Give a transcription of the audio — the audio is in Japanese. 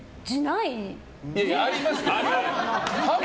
いやいや、ありますよ。